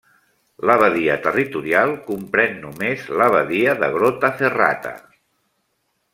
L'abadia territorial comprèn només l'abadia de Grottaferrata.